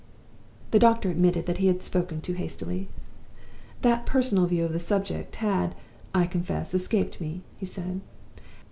"The doctor admitted that he had spoken too hastily. 'That personal view of the subject had, I confess, escaped me,' he said.